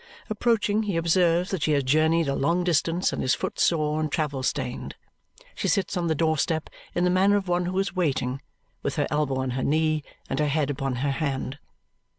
Approaching, he observes that she has journeyed a long distance and is footsore and travel stained. She sits on the door step in the manner of one who is waiting, with her elbow on her knee and her head upon her hand.